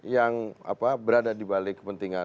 yang berada di balik kepentingan